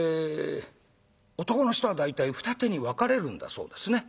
男の人は大体二手に分かれるんだそうですね。